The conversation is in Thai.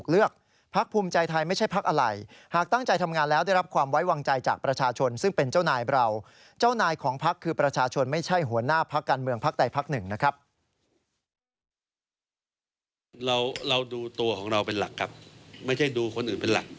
เราดูตัวของเราเป็นหลักครับไม่ใช่ดูคนอื่นเป็นหลัก